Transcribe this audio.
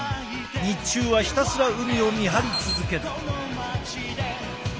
日中はひたすら海を見張り続ける。